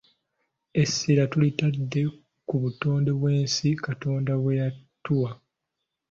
Essira tulitadde ku butonde bw’ensi Katonda bwe yatuwa.